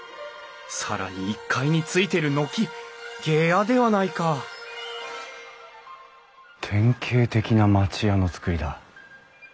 更に１階についてる軒下屋ではないか典型的な町家の造りだ。